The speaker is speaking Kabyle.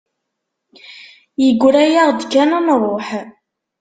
Yegra-yaɣ-d kan ad nruḥ.